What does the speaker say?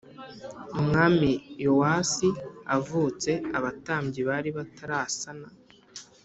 Umwami Yowasi avutse abatambyi bari batarasana